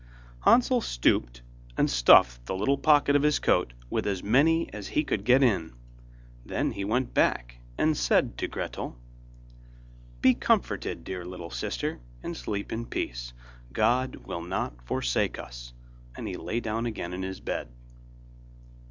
Hansel stooped and stuffed the little pocket of his coat with as many as he could get in. Then he went back and said to Gretel: 'Be comforted, dear little sister, and sleep in peace, God will not forsake us,' and he lay down again in his bed.